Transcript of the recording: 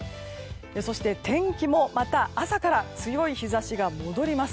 そして天気も、また朝から強い日差しが戻ります。